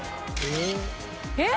えっ！